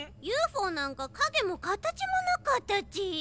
ユーフォーなんかかげもかたちもなかったち。